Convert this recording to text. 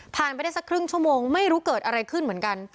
ไปได้สักครึ่งชั่วโมงไม่รู้เกิดอะไรขึ้นเหมือนกัน